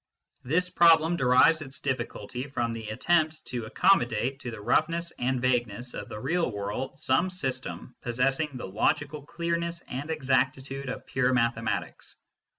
This problem derives its difficulty from the attempt to accommodate to the roughness and vagueness of the real world some system possessing the logical clearness and exactitude of pure mathematics.